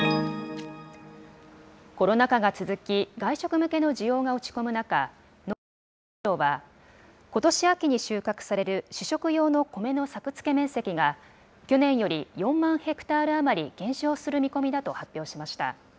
コロナ禍が続き、外食向けの需要が落ち込む中、農林水産省は、ことし秋に収穫される主食用のコメの作付け面積が、去年より４万ヘクタール余り減少する見込みだと発表しました。